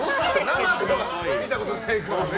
生では見たことないかもね。